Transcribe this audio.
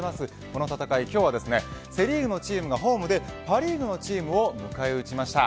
この戦い、今日はセ・リーグのチームがホームでパ・リーグのチームを迎え撃ちました。